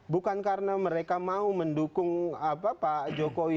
bukan karena mereka mau mendukung pak jokowi